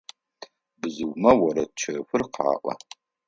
Бзыумэ орэд чэфыр къаӀо.